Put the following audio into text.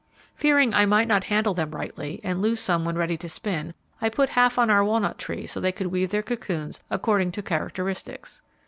Fearing I might not handle them rightly, and lose some when ready to spin, I put half on our walnut tree so they could weave their cocoons according to characteristics.